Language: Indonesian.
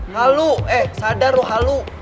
halu eh sadar loh halu